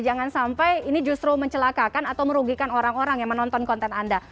jangan sampai ini justru mencelakakan atau merugikan orang orang yang menonton konten anda